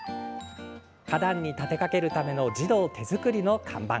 花壇に立てかけるための児童手作りの看板。